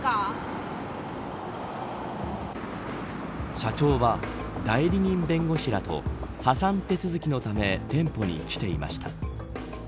社長は代理人弁護士らと破産手続きのため店舗に来ていました。